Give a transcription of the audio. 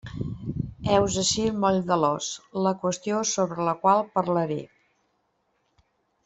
Heus ací el moll de l'os, la qüestió sobre la qual parlaré.